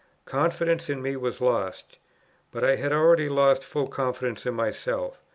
Confidence in me was lost; but I had already lost full confidence in myself.